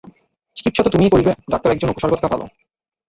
চিকিৎসা তো তুমিই করিবে, ডাক্তার একজন উপসর্গ থাকা ভালো।